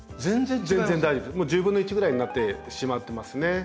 １０分の１ぐらいになってしまってますね。